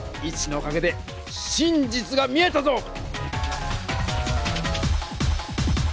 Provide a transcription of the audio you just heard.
イチのおかげで真実が見えたぞ！